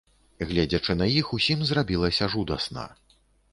Гледзячы на іх, усім зрабілася жудасна.